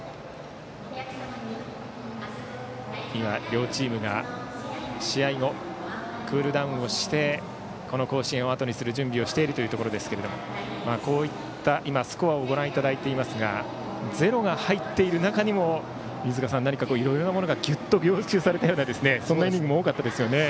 今、両チームが試合後、クールダウンをしてこの甲子園をあとにする準備をしていますが今、スコアをご覧いただいていますが０が入っている中にも何かいろいろなものがギュッと凝縮されたようなそんなイニング多かったですね。